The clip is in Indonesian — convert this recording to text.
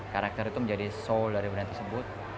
karakter itu menjadi soul dari brand tersebut